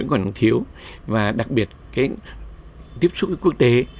còn thiếu và đặc biệt cái tiếp xúc với quốc tế